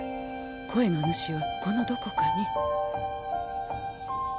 声の主はこのどこかに。